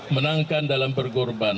menangkan dalam bergorban